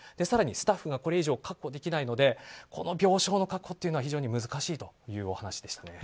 更にスタッフがこれ以上確保できないのでこの病床の確保というのは非常に難しいというお話でした。